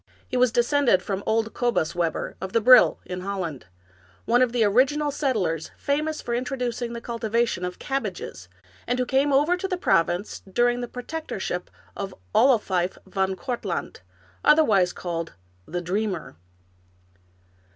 He was descended from old Cobus Webber of the Brill ^ in Holland, one of the original settlers, famous for introducing the cultivation of cabbages, and who came over to the province during the protectorship of Olofife Van Kortlandt, otherwise called " the Dreamer."